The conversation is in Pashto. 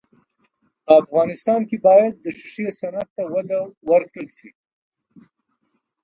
په افغانستان کې باید د ښیښې صنعت ته وده ورکړل سي.